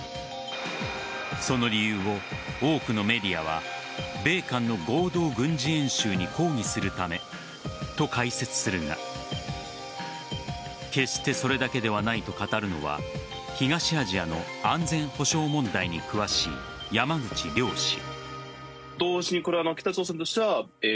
その理由を多くのメディアは米韓の合同軍事演習に抗議するためと解説するが決してそれだけではないと語るのは東アジアの安全保障問題に詳しい山口亮氏。